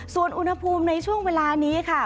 ส่วนอุณหภูมิในช่วงเวลานี้ค่ะ